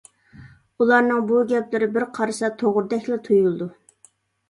ئۇلارنىڭ بۇ گەپلىرى بىر قارىسا توغرىدەكلا تۇيۇلىدۇ.